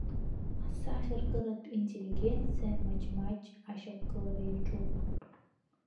Ҳсахьаркыратә интеллигенциа, маҷ-маҷ ашьақәгылара иаҿуп.